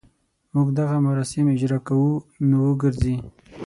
موږ دغه مراسم اجراء کوو نو وګرځي.